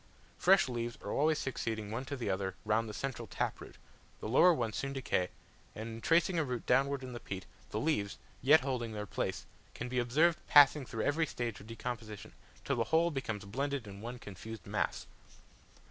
Fresh leaves are always succeeding one to the other round the central tap root, the lower ones soon decay, and in tracing a root downwards in the peat, the leaves, yet holding their place, can be observed passing through every stage of decomposition, till the whole becomes blended in one confused mass.